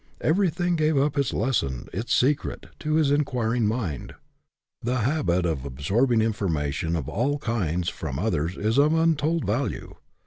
Everything gave up its lesson, its secret, to his inquiring mind. The habit of absorbing information of all kinds from others is of untold value.